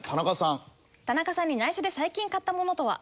田中さんに内緒で最近買ったものとは？